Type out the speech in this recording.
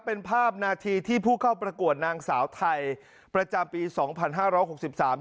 เป็นภาพนาทีที่ผู้เข้าประกวดนางสาวไทยประจำปีสองพันห้าร้อยหกสิบสาม